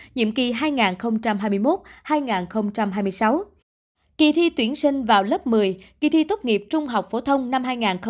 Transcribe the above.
nhiệm kỳ hai nghìn hai mươi một hai nghìn hai mươi sáu kỳ thi tuyển sinh vào lớp một mươi kỳ thi tốt nghiệp trung học phổ thông năm hai nghìn hai mươi năm